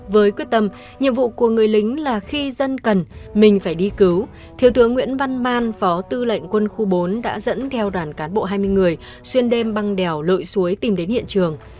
với quyết tâm nhiệm vụ của người lính là khi dân cần mình phải đi cứu thiếu tướng nguyễn văn man phó tư lệnh quân khu bốn đã dẫn theo đoàn cán bộ hai mươi người xuyên đêm băng đèo lội suối tìm đến hiện trường